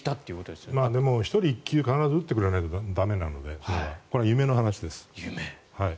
でも、１人１球必ず打ってくれないと駄目なのでこれは夢の話です。